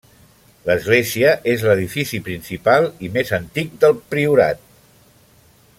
L'església és l'edifici principal i més antic del priorat.